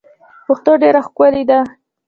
پښتو ډیر ښکلی دی.